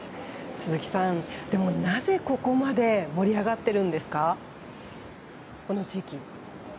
鈴木さん、なぜここまでこの地域で盛り上がっているんですか？